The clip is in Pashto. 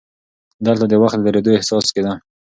دلته د وخت د درېدو احساس کېده.